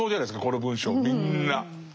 この文章みんな。